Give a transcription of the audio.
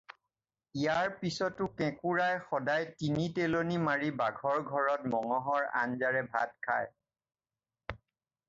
ইয়াৰ পিছতো কেঁকোৰাই সদায় তিনি তেলনি মাৰি বাঘৰ ঘৰত মঙহৰ আঞ্জাৰে ভাত খায়।